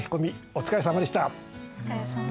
お疲れさまです。